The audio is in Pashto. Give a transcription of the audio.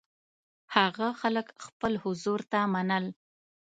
هغه خلک خپل حضور ته منل.